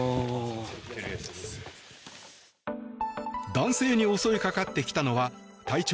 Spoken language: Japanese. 男性に襲いかかってきたのは体長